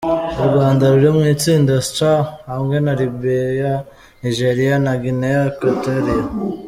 U Rwanda ruri mu itsinda C hamwe na Libya, Nigeria na Guinée Equatoriale.